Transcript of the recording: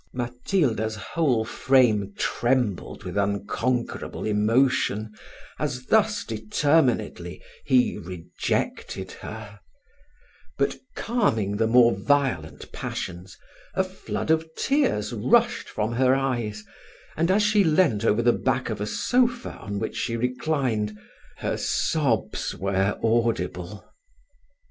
Matilda's whole frame trembled with unconquerable emotion, as thus determinedly he rejected her; but, calming the more violent passions, a flood of tears rushed from her eyes; and, as she leant over the back of a sofa on which she reclined, her sobs were audible.